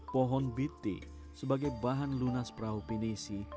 pohon biti sebagai bahan lunas perahu pinisi